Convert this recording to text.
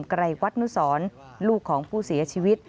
ไกรวัตนุสรลูกของผู้เสียชีวิต